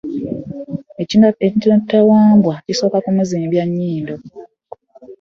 Ekinatta wambwa kisooka kimuziba nnyindo.